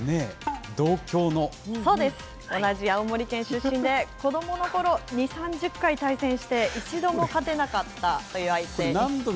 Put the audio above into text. そうです、同じ青森県出身で、子どものころ、２、３０回対戦して一度も勝てなかったという相手。